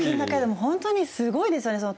本当にすごいですよね。